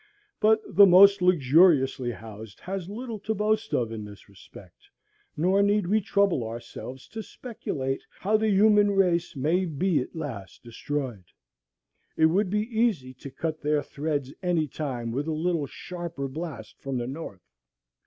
But the most luxuriously housed has little to boast of in this respect, nor need we trouble ourselves to speculate how the human race may be at last destroyed. It would be easy to cut their threads any time with a little sharper blast from the north.